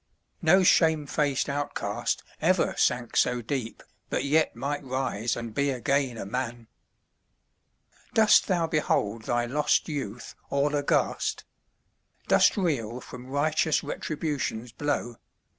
No shame faced outcast ever sank so deep, But yet might rise and be again a man ! Dost thou behold thy lost youth all aghast? Dost reel from righteous Retribution's blow?